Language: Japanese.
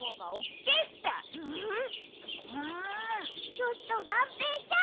ちょっとがんぺーちゃん！